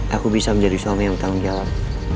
aku bisa menjadi suami yang bertanggung jawab